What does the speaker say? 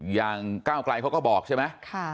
อย่างก้าวกลายเขาก็บอกใช่ไหม